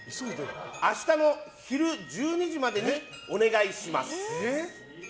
明日の昼１２時までにお願いします。